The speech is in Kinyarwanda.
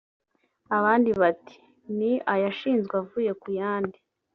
abandi bati ni ayashinzwe avuye ku yandi